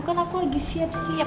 kan aku lagi siap siap